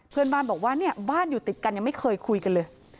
เพื่อนบ้านบอกว่าเนี่ยบ้านอยู่ติดกันยังไม่เคยคุยกันเลย